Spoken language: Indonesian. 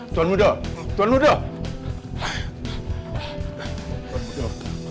tuan mudo tuan mudo